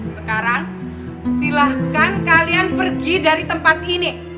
sekarang silahkan kalian pergi dari tempat ini